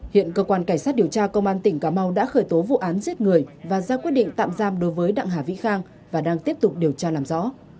hiện cơ quan cảnh sát điều tra công an tỉnh cà mau đã khởi tố vụ án giết người và ra quyết định tạm giam đối với đặng hà vĩ khang và đang tiếp tục điều tra làm rõ